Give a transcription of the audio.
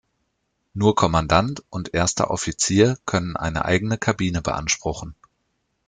Nur Kommandant und Erster Offizier können eine eigene Kabine beanspruchen.